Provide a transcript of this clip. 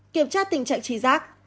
kiểm tra tình trạng trí giác